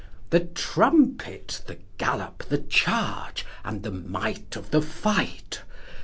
II. The trumpet, the gallop, the charge, and the might of the fight!